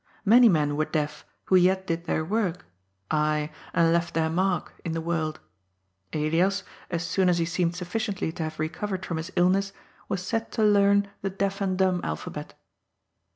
Many men were deaf who yet did their work — ^ay, and left their mark — in the world. Elias, as soon as he seemed suffi ciently to have recovered from his illness, was set to learn the deaf and dumb alphabet.